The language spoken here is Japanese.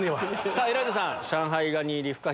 さぁエライザさん。